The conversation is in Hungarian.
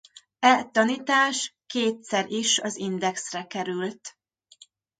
E tanítás kétszer is az Indexre került.